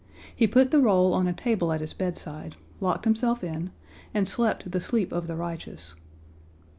He put the roll on a table at his bedside, locked himself in, and slept the sleep of the righteous.